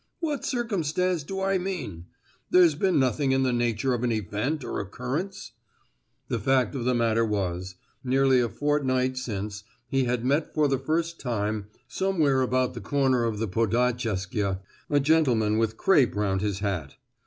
"What circumstance do I mean? There's been nothing in the nature of an event or occurrence!" The fact of the matter was this: Nearly a fortnight since, he had met for the first time, somewhere about the corner of the Podiacheskaya, a gentleman with crape round his hat.